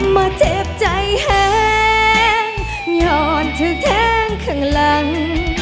มาเจ็บใจแห้งยอดถึงแท้งข้างหลัง